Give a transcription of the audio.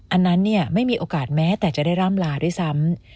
อันนั้นไม่มีโอกาสแม้แต่จะได้ร่ำลาด้วยซ้ำ